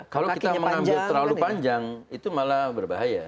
kalau kita mengambil terlalu panjang itu malah berbahaya